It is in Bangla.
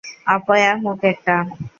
অপয়া মুখ একটা!